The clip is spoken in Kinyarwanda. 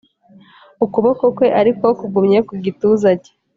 ukuboko kwe, ariko kugumye ku gituza cye